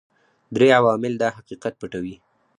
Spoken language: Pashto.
درې عوامل دا حقیقت پټوي.